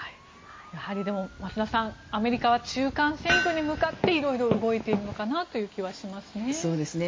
やはりでも増田さんアメリカは中間選挙に向かって色々動いているのかなという気はしますね。